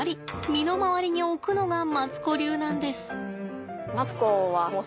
身の回りに置くのがマツコ流なんです。